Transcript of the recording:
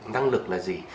năng lực là gì